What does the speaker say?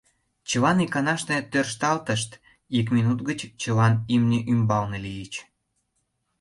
Чылан иканаште тӧршталтышт, ик минут гыч чылан имне ӱмбалне лийыч.